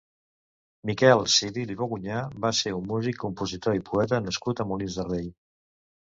Miquel Civil i Bogunyà va ser un músic, compositor i poeta nascut a Molins de Rei.